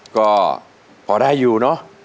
ก็พอได้อยู่เนาะวันนี้นะครับ